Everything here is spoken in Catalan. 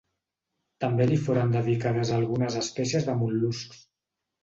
També li foren dedicades algunes espècies de mol·luscs.